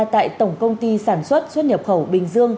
tại tổng công ty sản xuất xuất nhập khẩu bình dương